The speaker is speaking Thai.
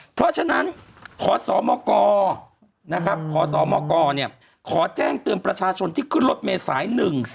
เพราะฉะนั้นขอสมกขอสมกขอแจ้งเตือนประชาชนที่ขึ้นรถเมษาย๑๔